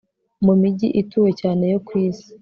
Mu mijyi ituwe cyane yo ku isi